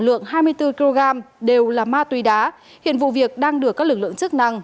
lượng hai mươi bốn kg đều là ma túy đá hiện vụ việc đang được các lực lượng chức năng